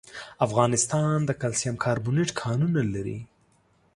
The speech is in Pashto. افغانستان د کلسیم کاربونېټ کانونه لري.